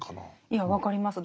いや分かります。